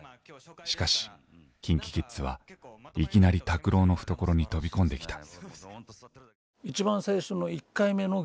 しかしＫｉｎＫｉＫｉｄｓはいきなり拓郎の懐に飛び込んできた。